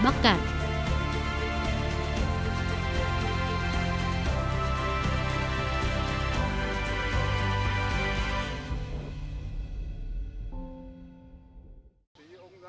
bắc cản nông thường